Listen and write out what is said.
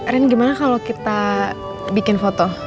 rin gimana kalau kita bikin foto